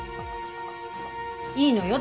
いいのよ。